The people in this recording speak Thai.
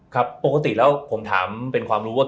ครับปกติแล้วผมถามเป็นความรู้ว่า